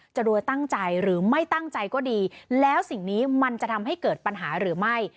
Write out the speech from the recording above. รวยตั้งใจหรือไม่ตั้งใจก็ดีแล้วสิ่งนี้มันจะทำให้เกิดปัญหาหรือไม่